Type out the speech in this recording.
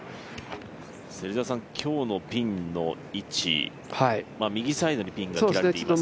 今日のピンの位置、右サイドにピンが切られていますが。